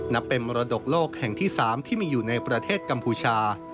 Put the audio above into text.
นับเป็นมรดกโลกแห่งที่๓ที่มีอยู่ในประเทศกัมพูชา